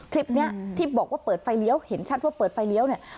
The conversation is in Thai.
คลิปนี้ที่บอกว่าเปิดไฟเลี้ยวเห็นชัดว่าเปิดไฟเลี้ยวเนี่ย